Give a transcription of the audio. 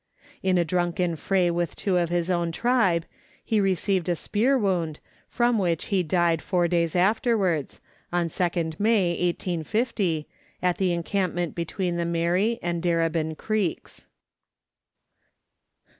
In a drunken fray with two of his own tribe he received a spear wound, from which he died four days afterwards (on 2nd May 1850) at the encampment between the Merri and Darebin Creeks.